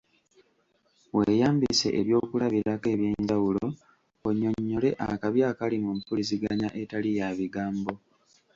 Weeyambise ebyokulabirako eby'enjawulo onnyonnyole akabi akali mu mpuliziganya etali ya bigambo .